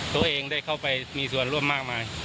ตัวเองได้เข้าไปมีส่วนร่วมมากมาย